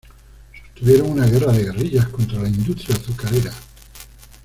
Sostuvieron una guerra de guerrillas contra la industria azucarera.